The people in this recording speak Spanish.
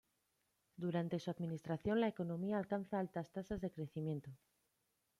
Durante su administración la economía alcanza altas tasas de crecimiento.